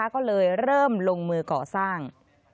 ก็เลยเริ่มลงมือก่อสร้าง